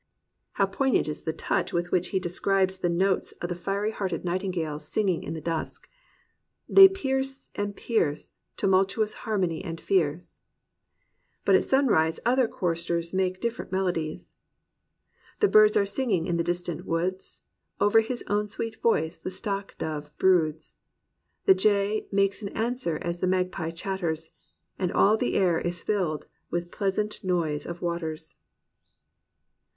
How poignant is the touch with which he describes the notes of the jfiery hearted Nightingale, singing in the dusk : "they pierce and pierce; Tumultuous harmony and fierce!'* But at sunrise other choristers make different melo dies: "The birds are singing in the distant woods; Over his own sweet voice the Stock dove broods; The Jay makes answer as the Magpie chatters; And all the air is filled with pleasant noise of waters.